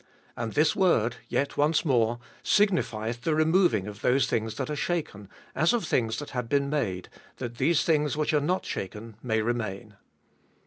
And this word, Yet once more, signifieth the removing of those things that are shaken, as of things that have been made, that these things which are not shaken may remain.